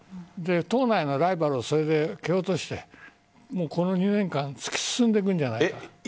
党内のライバルを蹴落としてこの２年間突き進んでいくんじゃないか。